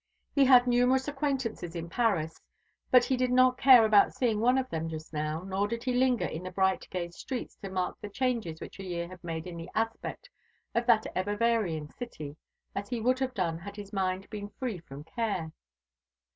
He had numerous acquaintances in Paris, but he did not care about seeing one of them just now, nor did he linger in the bright gay streets to mark the changes which a year had made in the aspect of that ever varying city, as he would have done had his mind been free from care.